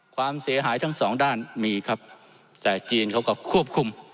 ความเสียหายทั้งสองด้านมีครับแต่จีนเขาก็ควบคุม